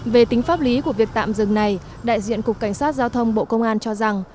về tính pháp lý của việc tạm dừng này đại diện cục cảnh sát giao thông bộ công an cho rằng